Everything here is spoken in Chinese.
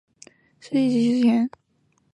最早的黑奴贸易出现在中世纪及之前。